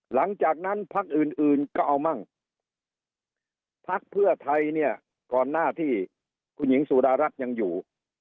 หลังจากนั้นพักอื่นอื่นก็เอามั่งพักเพื่อไทยเนี่ยก่อนหน้าที่คุณหญิงสุดารัฐยังอยู่